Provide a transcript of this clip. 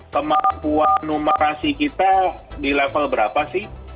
kemampuan numerasi kita di level berapa sih